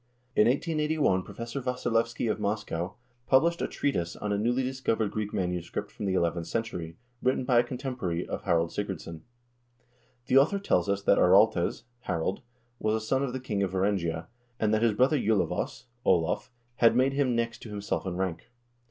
In 1881 Professor Wassilievsky of Moscow published a treatise on a newly discovered Greek manuscript from the eleventh century, written by a contemporary of Harald Sigurdsson.1 The author tells us that Araltes (Harald) was a son of the king of Varangia, and that his brother Julavos (Olav) had made him next to himself in rank.